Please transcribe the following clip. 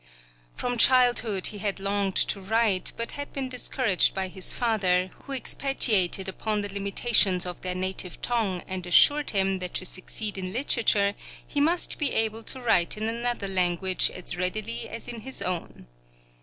From childhood he had longed to write, but had been discouraged by his father, who expatiated upon the limitations of their native tongue, and assured him that to succeed in literature he must be able to write in another language as readily as in his own.